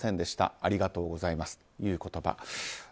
ありがとうございますという言葉。